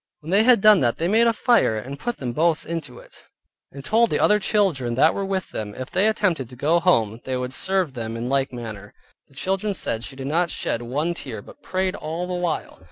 When they had done that they made a fire and put them both into it, and told the other children that were with them that if they attempted to go home, they would serve them in like manner. The children said she did not shed one tear, but prayed all the while.